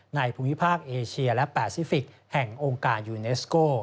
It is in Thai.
ภูมิภาคเอเชียและแปซิฟิกส์แห่งองค์การยูเนสโก